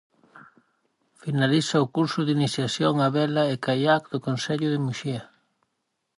Finaliza o curso de iniciación a vela e caiac do concello de Muxía.